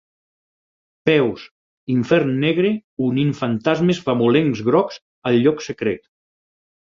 Peus: infern negre, unint fantasmes famolencs grocs al lloc secret.